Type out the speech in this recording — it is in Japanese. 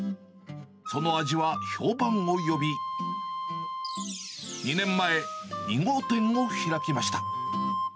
その味は評判を呼び、２年前、２号店を開きました。